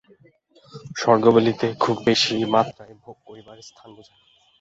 স্বর্গ বলিতে খুব বেশী মাত্রায় ভোগ করিবার স্থান বুঝায়।